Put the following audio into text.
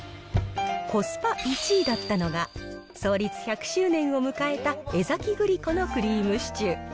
コスパ１位だったのが、創立１００周年を迎えた江崎グリコのクリームシチュー。